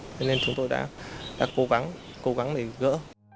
cho nên chúng tôi đã cố gắng để gỡ